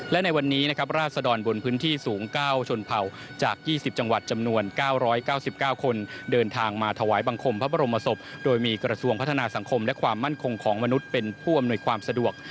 และในวันนี้นะครับราศดรบนพื้นที่สูง๙ชนเผ่าจาก๒๐จังหวัดจำนวน๙๙๙คนเดินทางมาถวายบังคมพระบรมศพโดยมีกระทรวงพัฒนาสังคมและความมั่นคงของมนุษย์เป็นผู้อำนวยความสะดวก